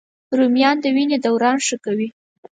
رومیان د وینې دوران ښه کوي